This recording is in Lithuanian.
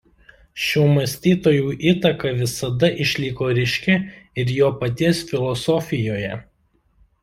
Šių mąstytojų įtaka visada išliko ryški ir jo paties filosofijoje.